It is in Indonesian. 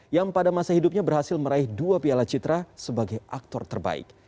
yang pada masa hidupnya berhasil meraih dua piala citra sebagai aktor terbaik